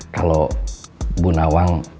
kalau bu nawang